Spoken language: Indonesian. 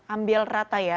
ambil rata ya